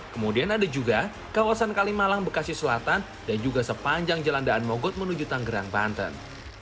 kemudian ada juga kawasan kalimalang bekasi selatan dan juga sepanjang jalan daan mogot menuju tanggerang banten